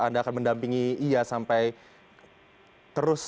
anda akan mendampingi ia sampai terus